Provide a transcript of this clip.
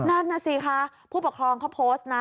นั่นน่ะสิคะผู้ปกครองเขาโพสต์นะ